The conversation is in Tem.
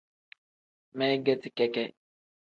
Meegeti keke.